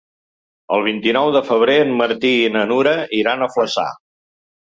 El vint-i-nou de febrer en Martí i na Nura iran a Flaçà.